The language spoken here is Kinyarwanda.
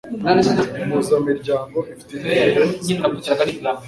Impuzamiryango ifite intego zikurikira